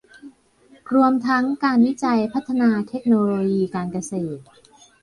รวมทั้งการวิจัยพัฒนาเทคโนโลยีการเกษตร